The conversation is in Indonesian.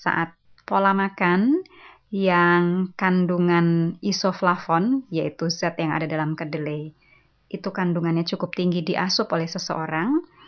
saat pola makan yang kandungan isoflavon yaitu zat yang ada dalam kedelai itu kandungannya cukup tinggi di asup oleh seseorang